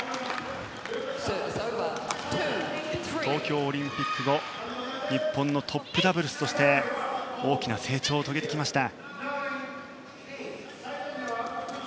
東京オリンピック後日本のトップダブルスとして大きな成長を遂げてきました。